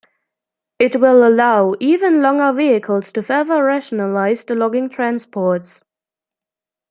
It will allow even longer vehicles to further rationalize the logging transports.